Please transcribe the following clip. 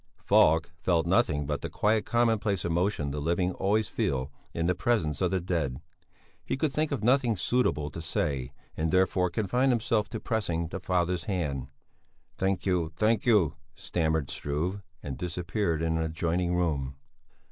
Falk felt nothing but the quite commonplace emotion the living always feel in the presence of the dead; he could think of nothing suitable to say, and therefore he confined himself to pressing the father's hand. "Thank you, thank you," stammered Struve, and disappeared in an adjoining room.